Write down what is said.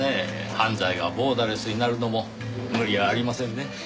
犯罪がボーダレスになるのも無理はありませんね。